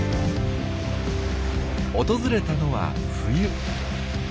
訪れたのは冬。